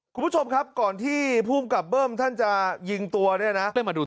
คุณผู้ชมครับก่อนที่ภูมิกับเบิ้มท่านจะยิงตัวเนี่ยนะ